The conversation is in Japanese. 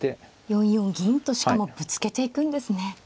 ４四銀としかもぶつけていくんですね。